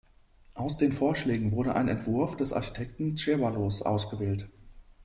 Aus den Vorschlägen wurde ein Entwurf des Architekten Ceballos ausgewählt.